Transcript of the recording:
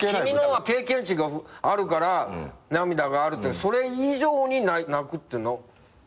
君のは経験値があるから涙があるってそれ以上に泣くっていうの。